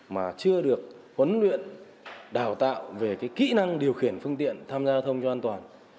mà chưa được huấn luyện đào tạo về kỹ năng điều khiển phương tiện tham gia giao thông cho an toàn